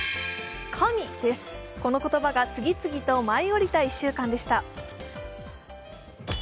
神です、この言葉が次々と舞い降りた１週間でした。